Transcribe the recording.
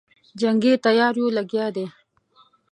جنګي تیاریو لګیا دی.